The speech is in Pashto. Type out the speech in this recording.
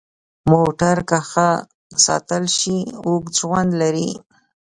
موټر که ښه ساتل شي، اوږد ژوند لري.